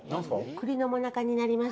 栗のもなかになります。